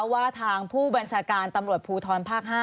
ว่าทางผู้บัญชาการตำรวจภูทรภาค๕